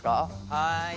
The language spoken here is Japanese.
はい。